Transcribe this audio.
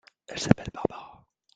Elle s'appelle Barbara.